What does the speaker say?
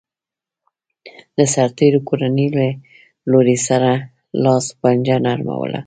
د سرتېرو کورنیو له لوږې سره لاس و پنجه نرموله